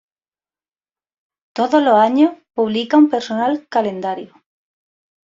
Todos los años publica un personal calendario.